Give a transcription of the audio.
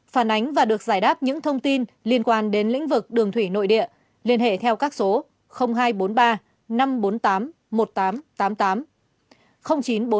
phản ánh và được giải đáp những thông tin liên quan đến lĩnh vực đường thủy nội địa liên hệ theo các số hai trăm bốn mươi ba năm trăm bốn mươi tám một nghìn tám trăm tám mươi tám chín trăm bốn mươi hai một trăm linh bảy nghìn bốn trăm bảy mươi bốn